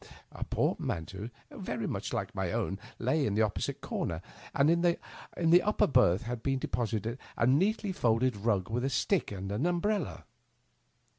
A portmanteau, very like my own, lay in the opposite comer, and in the upper berth had been deposited a neatly folded rng with a stick and umbrella.